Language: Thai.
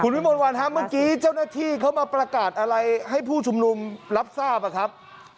วิมวลวันครับเมื่อกี้เจ้าหน้าที่เขามาประกาศอะไรให้ผู้ชุมนุมรับทราบอะครับ